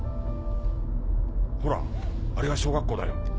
ほらあれが小学校だよ。